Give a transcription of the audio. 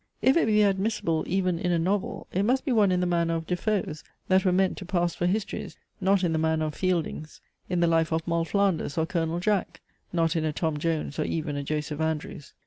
If it be admissible even in a novel, it must be one in the manner of De Foe's, that were meant to pass for histories, not in the manner of Fielding's: In THE LIFE OF MOLL FLANDERS, Or COLONEL JACK, not in a TOM JONES, or even a JOSEPH ANDREWS.